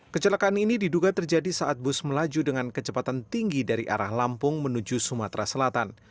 kecelakaan ini diduga terjadi saat bus melaju dengan kecepatan tinggi dari arah lampung menuju sumatera selatan